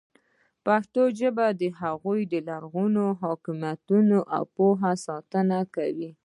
پښتو ژبه د هغو لرغونو حکمتونو او پوهې ساتنه کوي.